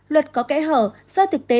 luật có kẽ hở do thực tế